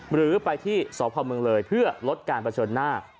หรือไปที่สพเลยเพื่อลดการประชนหน้า